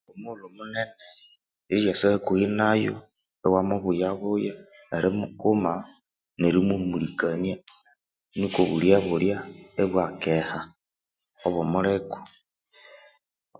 Omughulhu munene ryeryasa hakuhi nayu iwamubuyabuya erimukuma nerimuhumulikania nuku obulighe bulya ibwakeha obumuliku